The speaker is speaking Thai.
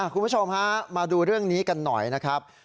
คุณผู้ชมฮะมาดูเรื่องนี้กันหน่อยนะครับ